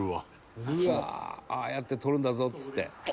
「うわあ。ああやって撮るんだぞっつって」